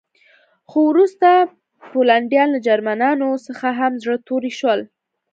خو وروسته پولنډیان له جرمنانو څخه هم زړه توري شول